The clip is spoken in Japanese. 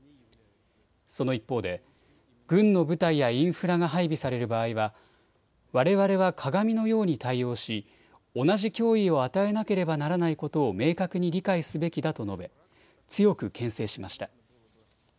その一方で軍の部隊やインフラが配備される場合はわれわれは鏡のように対応し同じ脅威を与えなければならないことを明確に理解すべきだと述べ、強くけん制しました。